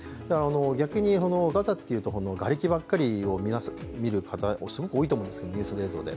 逆にガザというところのがれきばっかりを見る方は、すごく多いと思うんです、ニュース映像で。